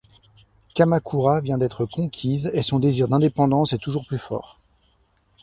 Kamakura vient d'être conquise et son désir d'indépendance est toujours fort.